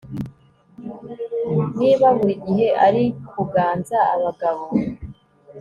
niba buri gihe ari kuganza abagabo